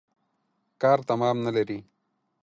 کار تمام نلري.